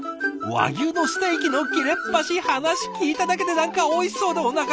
和牛のステーキの切れっ端話聞いただけで何かおいしそうでおなかすいてきた！